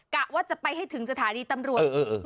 กะว่าจะไปให้ถึงสถานีตำรวจ